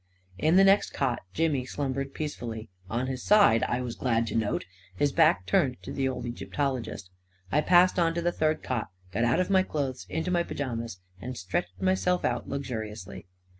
In the next cot Jimmy slumbered peacefully — on his side, I was glad to note — his back turned to the old Egyptologist. I passed on to the third cot, got out of my clothes, into my pajamas, and stretched myself out luxuriously.